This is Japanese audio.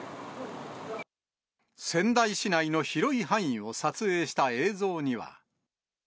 仙台市内の広い範囲を撮影した映像には。